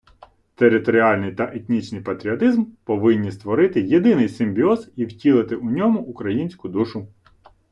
Територіальний та етнічний патріотизм повинні створити єдиний симбіоз і втілити у ньому українську душу